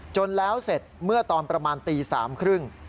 จนแล้วเสร็จเมื่อตอนประมาณตี๓๓๐